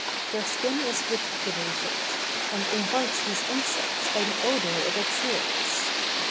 Their skin is reticulated, and invites these insects by the odor it exhales.